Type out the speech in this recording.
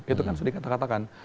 itu kan sudah dikatakan